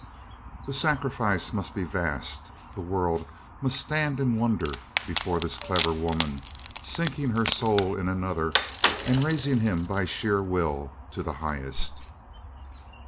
The sacrifice must be vast; the world must stand in wonder before this clever woman sinking her soul in another and raising him by sheer will to the highest.